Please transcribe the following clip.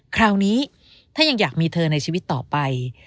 คราวนี้ถ้ายังอยากมีเธอในชีวิตต่อไป